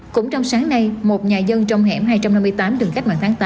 cũng trong sáng nay một nhà dân trong hẻm hai trăm năm mươi tám đường cách mạng tháng tám